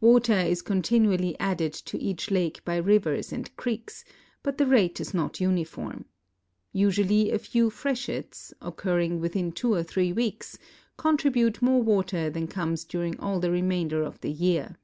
Water is continually added to each lake by rivers and creeks, but the rate is not uniform. Usually a few freshets, occurring witiiin two or tiiree weeks, contribute more water than comes during all the remainder of the year.